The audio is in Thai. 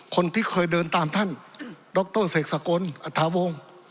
คนที่เคยเดินตามท่านดรเสกสกลอัฐาวงศ์